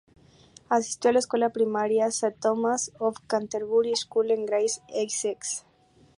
Asistió a la escuela primaria St Thomas of Canterbury School en Grays, Essex.